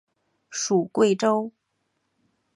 属桂州。